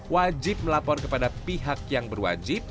wajib melapor kepada pihak yang berwajib